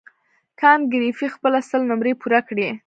کانت ګریفي خپله سل نمرې پوره کړې.